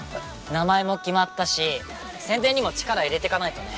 名前も決まったし宣伝にも力入れてかないとね。